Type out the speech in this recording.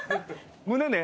胸ね。